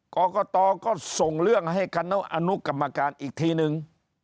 กรกตก็ส่งเรื่องให้คณะอนุกรรมการอีกทีนึง